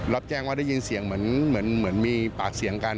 รับแจ้งว่าได้ยินเสียงเหมือนมีปากเสียงกัน